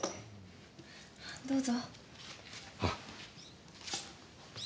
どうぞ。